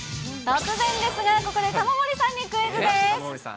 突然ですが、ここで玉森さんにクイズです。